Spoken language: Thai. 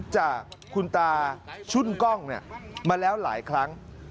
จากคุณตาชุ่นกล้องมาแล้วหลายครั้ง